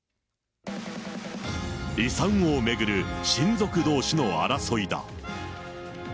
遺産を巡る親族どうしの争いだ。